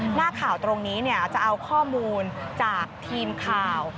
หน้าข่าวตรงนี้จะเอาข้อมูลจากทีมข่าว